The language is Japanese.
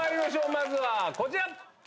まずはこちら。